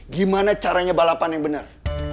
gimana caranya balapan yang benar